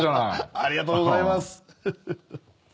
ありがとうございます。